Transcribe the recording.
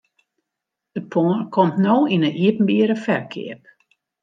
It pân komt no yn 'e iepenbiere ferkeap.